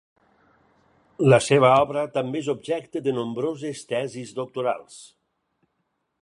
La seva obra també és objecte de nombroses tesis doctorals.